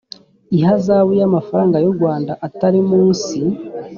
ihazabu y amafaranga y u rwanda atari munsi